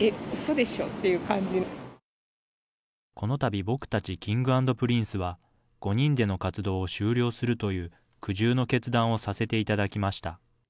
えっ、このたび、僕たちＫｉｎｇ＆Ｐｒｉｎｃｅは、５人での活動を終了するという苦渋の決断をさせていただきました。